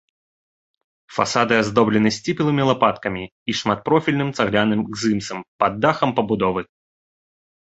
Фасады аздоблены сціплымі лапаткамі і шматпрофільным цагляным гзымсам пад дахам пабудовы.